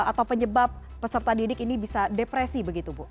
atau penyebab peserta didik ini bisa depresi begitu bu